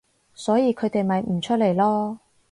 所以佢哋咪唔出嚟囉